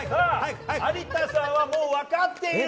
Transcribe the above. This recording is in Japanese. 有田さんはもう分かっている！